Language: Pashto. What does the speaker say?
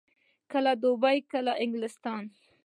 کله دوبۍ وي، کله انګلستان.